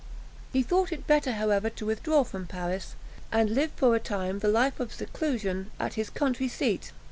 He thought it better, however, to withdraw from Paris, and live for a time a life of seclusion at his country seat.